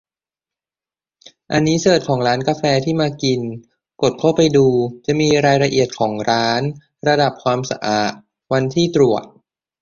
อันนี้เสิร์ชของร้านกาแฟที่มากิน กดเข้าไปดูจะมีรายละเอียดของร้าน ระดับความสะอาด วันที่ตรวจ